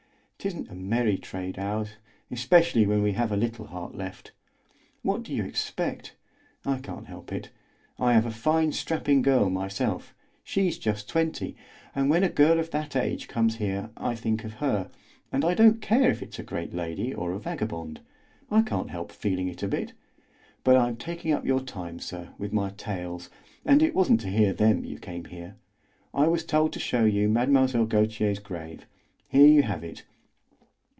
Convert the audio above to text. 'Tisn't a merry trade, ours, especially when we have a little heart left. What do you expect? I can't help it. I have a fine, strapping girl myself; she's just twenty, and when a girl of that age comes here I think of her, and I don't care if it's a great lady or a vagabond, I can't help feeling it a bit. But I am taking up your time, sir, with my tales, and it wasn't to hear them you came here. I was told to show you Mlle. Gautier's grave; here you have it.